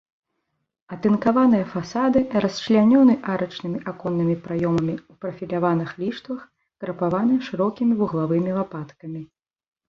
Атынкаваныя фасады расчлянёны арачнымі аконнымі праёмамі ў прафіляваных ліштвах, крапаваны шырокімі вуглавымі лапаткамі.